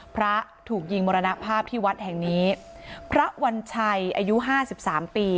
พระถูกยิงมรณภาพที่วัดแห่งนี้พระวัญชัยอายุห้าสิบสามปี